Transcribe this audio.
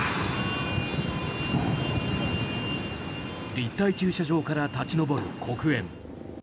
立体駐車場から立ち上る黒煙。